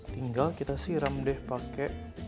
tinggal kita siram deh pakai